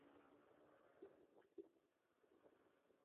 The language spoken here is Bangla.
একটা ছোট্ট ভুল।